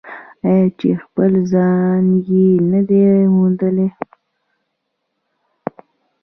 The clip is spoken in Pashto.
آیا چې خپل ځای یې نه دی موندلی؟